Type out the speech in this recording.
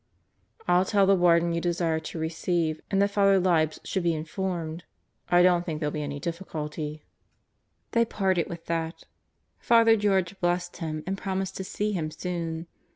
"I'll tell the Warden you desire to receive and that Father Libs should be informed. I don't think there'll be any difficulty." 54 God Goes to Murderer's Row They parted with that. Father George blessed him and promised to see him soon.